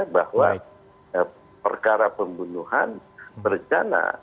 bahwa perkara pembunuhan berencana